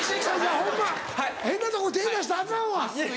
ホンマ変なとこ手出したらアカンわ。